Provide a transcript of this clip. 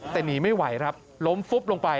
แต่หนีไม่ไหวครับล้มฟุบลงไป